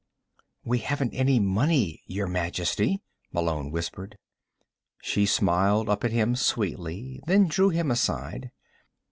"We haven't any money, Your Majesty," Malone whispered. She smiled up at him sweetly, and then drew him aside.